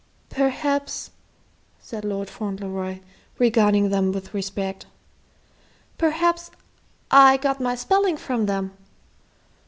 "Perhaps," said Lord Fauntleroy, regarding them with respect, "perhaps I got my spelling from them."